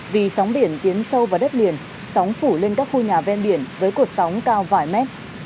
vì sóng biển tiến sâu vào đất liền sóng phủ lên các khu nhà ven biển với cuộc sống cao vài mét